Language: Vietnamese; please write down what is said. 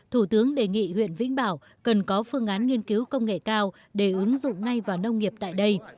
thủ tướng đề nghị huyện vĩnh bảo cần có phương án nghiên cứu công nghệ cao để ứng dụng ngay vào nông nghiệp tại đây